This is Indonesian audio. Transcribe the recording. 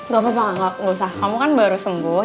gak apa apa nggak usah kamu kan baru sembuh